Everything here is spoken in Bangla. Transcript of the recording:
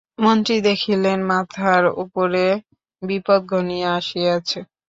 মন্ত্রী দেখিলেন, মাথার উপরে বিপদ ঘনাইয়া আসিয়াছে।